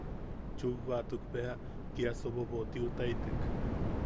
Chubatuk beja kia sobobotiutaitek.